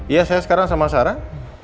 iya saya sekarang sama sarah